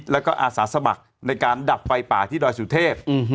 แล้วก็อาสาสมัครในการดับไฟป่าที่ดอยสุเทพ